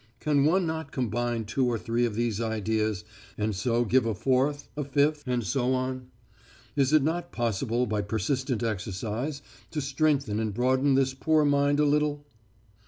'Can one not combine two or three of these ideas, and so give a fourth, a fifth, and so on? Is it not possible by persistent exercise to strengthen and broaden this poor mind a little?'